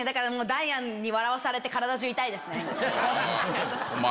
ダイアンに笑わされて体中痛いですね。